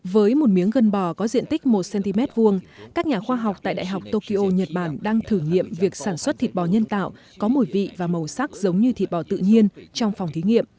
với một miếng gân bò có diện tích một cm vuông các nhà khoa học tại đại học tokyo nhật bản đang thử nghiệm việc sản xuất thịt bò nhân tạo có mùi vị và màu sắc giống như thịt bò tự nhiên trong phòng thí nghiệm